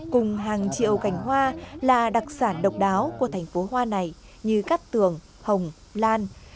cùng hàng triệu cành hoa là đặc sản độc đáo của thành phố hoa này như cát tường hồng lan